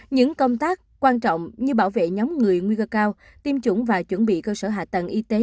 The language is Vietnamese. những công tác quan trọng như bảo vệ nhóm người nguy cơ cao tiêm chủng và chuẩn bị cơ sở hạ tầng y tế